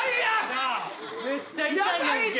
なあめっちゃ痛いやんけ。